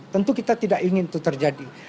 tentu kita tidak ingin itu terjadi